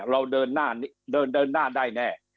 เราเดินหน้าได้แน่